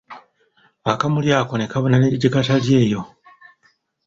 Akamuli ako ne kabuna ne gye katali eyo.